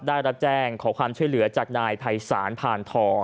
ได้รับแจ้งขอความช่วยเหลือจากนายภัยศาลผ่านทอง